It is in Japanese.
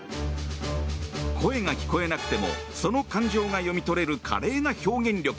声が聞こえなくてもその感情が読み取れる華麗な表現力。